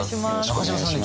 中島さんね